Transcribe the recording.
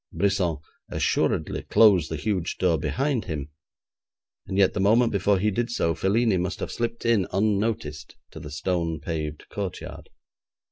Brisson assuredly closed the huge door behind him, and yet the moment before he did so, Felini must have slipped in unnoticed to the stone paved courtyard.